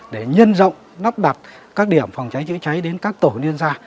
để nhân rộng nắp đặt các điểm phòng cháy chữa cháy đến các tổ liên gia